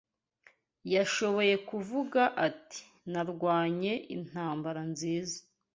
yashoboye kuvuga ati “Narwanye intambara nziza.